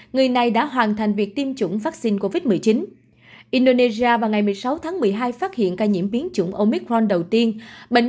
người này đã hoàn thành việc tiêm chống omicron